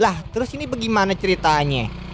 lah terus ini bagaimana ceritanya